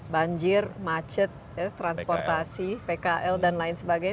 banjir macet transportasi pkl dan lain sebagainya